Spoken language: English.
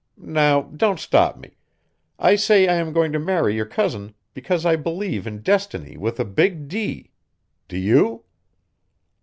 Now don't stop me I say I am going to marry your cousin because I believe in Destiny with a big D. Do you?"